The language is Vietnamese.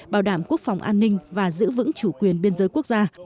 bảo đảm quốc phòng an ninh và giữ vững chủ quyền biên giới quốc gia